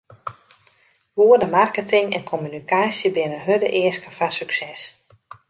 Goede marketing en kommunikaasje binne hurde easken foar sukses.